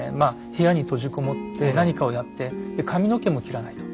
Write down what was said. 部屋に閉じ籠もって何かをやってで髪の毛も切らないと。